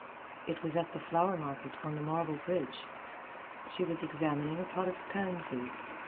It was at the flower market on the marble bridge. She was examining a pot of pansies.